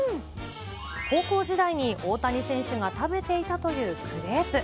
高校時代に大谷選手が食べていたというクレープ。